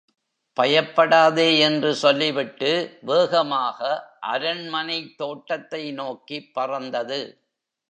பயப்படாதே என்று சொல்லிவிட்டு வேகமாக அரண்மனைத்தோட்டத்தை நோக்கிப் பறந்தது.